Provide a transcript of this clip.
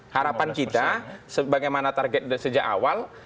harapan kita sebagaimana target sejak awal